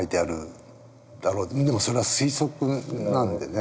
でもそれは推測なんでね